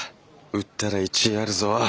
売ったら１位あるぞ！